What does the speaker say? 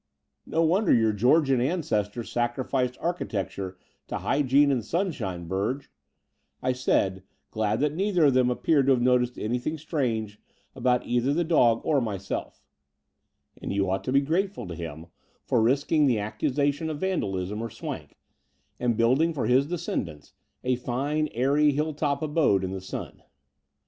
"No wonder your Georgian ancestor sacrificed architecture to hygiene and sunshine, Burge," I said, glad that neither of them appeared to have noticed anything strange about either the dog 150 The Door of the Unreal or myself: and you ought to be grateful tohim for risking the accusation of vandalism or swank, and building for his descendants a fine airy hill top abode in the sun.